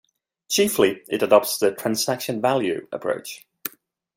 Chiefly, it adopts the "transaction value" approach.